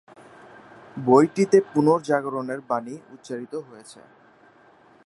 বইটিতে পুনর্জাগরণের বাণী উচ্চারিত হয়েছে।